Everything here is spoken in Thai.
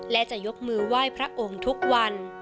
และจะยกมือไหว้พระองค์ทุกวัน